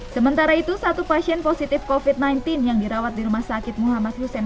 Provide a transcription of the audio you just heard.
sementara itu satu pasien positif covid sembilan belas yang dirawat di rumah sakit muhammad hussein